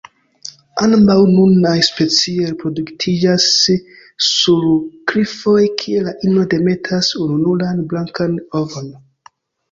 Ambaŭ nunaj specioj reproduktiĝas sur klifoj, kie la ino demetas ununuran blankan ovon.